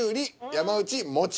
山内「もち」。